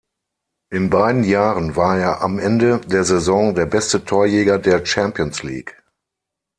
In beiden Jahren war er am Ende der Saison der beste Torjäger der Champions-League.